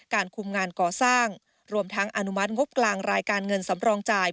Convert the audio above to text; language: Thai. คุมงานก่อสร้างรวมทั้งอนุมัติงบกลางรายการเงินสำรองจ่าย